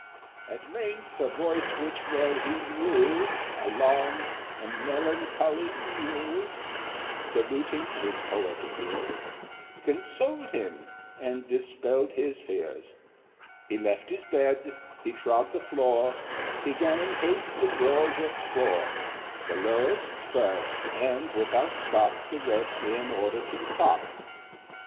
At length a voice which well he knew, A long and melancholy mew, Saluting his poetic ears, Consoled him, and dispelled his fears; He left his bed, he trod the floor, He 'gan in haste the drawers explore, The lowest first, and without stop The next in order to the top.